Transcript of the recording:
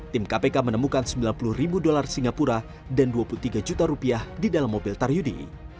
tim kpk menemukan sembilan puluh ribu dolar singapura dan dua puluh tiga juta rupiah di dalam mobil taryudi